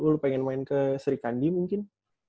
lu pengen main ke serikandi mungkin